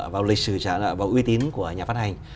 vào lịch sử trả nợ và uy tín của nhà phát hành